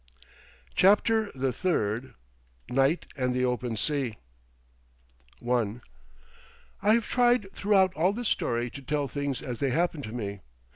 CHAPTER THE THIRD NIGHT AND THE OPEN SEA I I have tried throughout all this story to tell things as they happened to me.